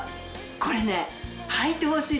これねはいてほしいです。